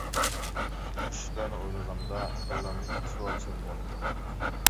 مۇشۇ ئىشلارنى ئويلىغاندا كاللامنى ئىككى سوئال چىرمىۋالىدۇ.